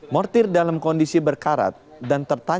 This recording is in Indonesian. mortir dalam kondisi berkarat dan tertangkap